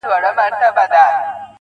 چي څوك تا نه غواړي.